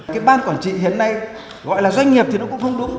cái ban quản trị hiện nay gọi là doanh nghiệp thì nó cũng không đúng